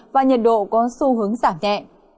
và nhiệt độ có xu hướng giảm nhẹ